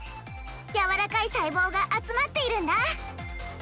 やわらかいさいぼうがあつまっているんだ。